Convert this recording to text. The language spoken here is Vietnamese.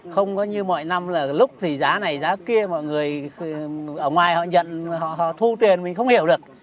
không có như mọi năm là lúc thì giá này giá kia mọi người ở ngoài họ nhận họ họ thu tiền mình không hiểu được